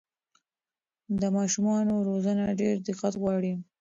د ماشومانو روزنه ډېر دقت غواړي.